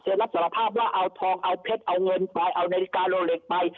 รับสารภาพว่าเอาทองเอาเพชรเอาเงินไปเอานาฬิกาโลเล็กไป